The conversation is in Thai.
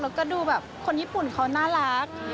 แล้วก็ดูแบบคนญี่ปุ่นเขาน่ารัก